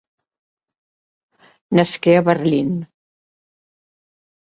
Nasqué a Berlín.